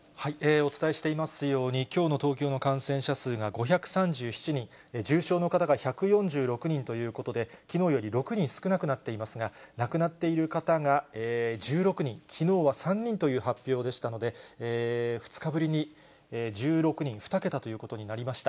お伝えしていますように、きょうの東京の感染者数が５３７人、重症の方が１４６人ということで、きのうより６人少なくなっていますが、亡くなっている方が１６人、きのうは３人という発表でしたので、２日ぶりに１６人、２桁ということになりました。